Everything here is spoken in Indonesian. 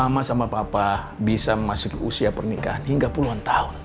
mama sama papa bisa memasuki usia pernikahan hingga puluhan tahun